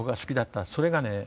それがね